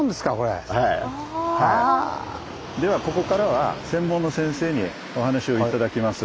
ではここからは専門の先生にお話しを頂きます。